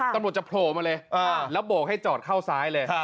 ตำรวจจะโผล่มาเลยแล้วโบกให้จอดเข้าซ้ายเลย